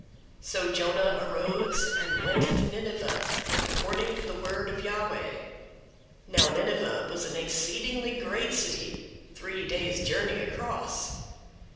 003:003 So Jonah arose, and went to Nineveh, according to the word of Yahweh. Now Nineveh was an exceedingly great city, three days' journey across.